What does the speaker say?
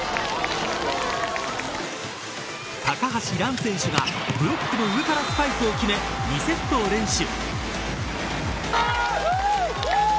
高橋藍選手がブロックの上からスパイクを決め２セットを連取。